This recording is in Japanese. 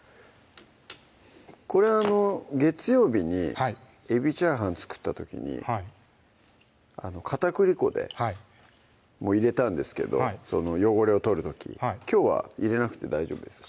これあの月曜日に「海老炒飯」作った時に片栗粉も入れたんですけど汚れを取る時きょうは入れなくて大丈夫ですか？